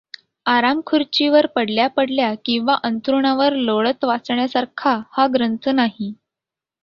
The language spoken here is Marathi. आरामखुर्चीवर पडल्या पडल्या किंवा अंथरुणावर लोळत वाचण्यासारखा हा ग्रंथ नाही.